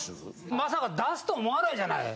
まさか出すと思わないじゃない。